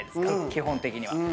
基本的には。